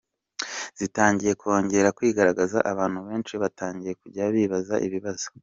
zitangiye kongera kwigaragaza abantu benshi batangiye kujya bibaza ibibazo.